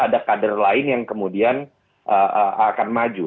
ada kader lain yang kemudian akan maju